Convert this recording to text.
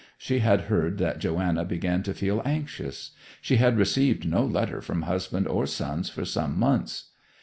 She had heard that Joanna began to feel anxious; she had received no letter from husband or sons for some months.